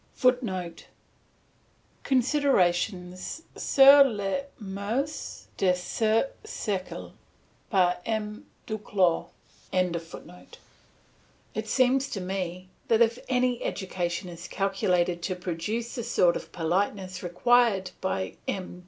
[Footnote: Considerations sur les moeurs de ce siecle, par M. Duclos.] It seems to me that if any education is calculated to produce the sort of politeness required by M.